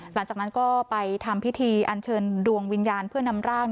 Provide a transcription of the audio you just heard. หลังจากนั้นก็ไปทำพิธีอันเชิญดวงวิญญาณเพื่อนำร่าง